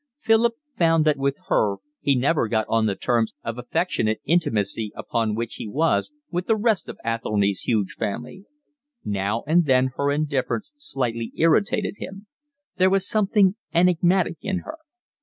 Philip found that with her he never got on the terms of affectionate intimacy upon which he was with the rest of Athelny's huge family. Now and then her indifference slightly irritated him. There was something enigmatic in her.